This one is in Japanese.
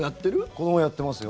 子どもやってますよ。